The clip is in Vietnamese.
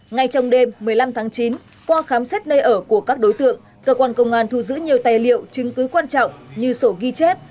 ngay trong đêm một mươi năm tháng chín qua khám xét nơi ở của các đối tượng cơ quan công an thu giữ nhiều tài liệu chứng cứ quan trọng như sổ ghi chép